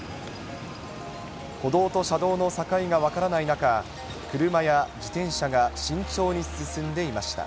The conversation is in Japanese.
歩道と車道の境が分からない中、車や自転車が慎重に進んでいました。